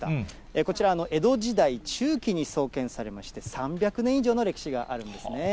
こちらは江戸時代中期に創建されまして、３００年以上の歴史があるんですね。